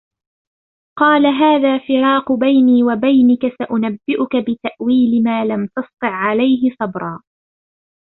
قَالَ هَذَا فِرَاقُ بَيْنِي وَبَيْنِكَ سَأُنَبِّئُكَ بِتَأْوِيلِ مَا لَمْ تَسْتَطِعْ عَلَيْهِ صَبْرًا